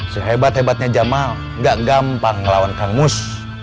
sehebat hebatnya jamal gak gampang ngelawan kang mus